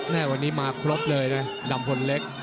แน่ว่าวันนี้มาครบเลยนะนัมพลเล็ก